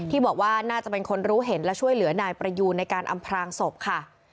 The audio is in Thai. บอกว่าน่าจะเป็นคนรู้เห็นและช่วยเหลือนายประยูนในการอำพลางศพค่ะ